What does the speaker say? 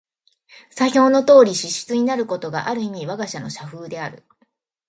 左表のとおりの支出になることが、ある意味わが社の社風である。